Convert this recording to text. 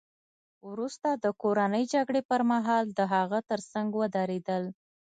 وروسته د کورنۍ جګړې پرمهال د هغه ترڅنګ ودرېدل